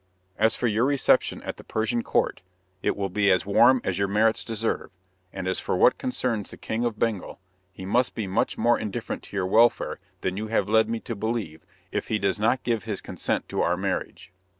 As for your reception at the Persian Court, it will be as warm as your merits deserve; and as for what concerns the King of Bengal, he must be much more indifferent to your welfare than you have led me to believe if he does not give his consent to our marriage."